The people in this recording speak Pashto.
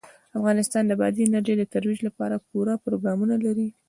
افغانستان د بادي انرژي د ترویج لپاره پوره پروګرامونه لري.